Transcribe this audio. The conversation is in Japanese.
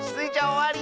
おわり！